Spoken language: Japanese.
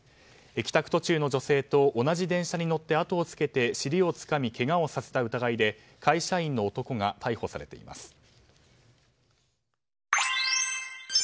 帰宅途中の女性と同じ電車に乗って後をつけて尻をつかみけがをさせた疑いで会社員の男が逮捕されています。